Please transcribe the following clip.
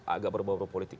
agak berbobro politik